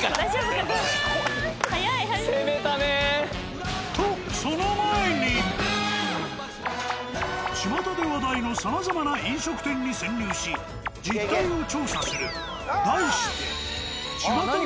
攻めたね。とちまたで話題のさまざまな飲食店に潜入し実態を調査する題してちまたの。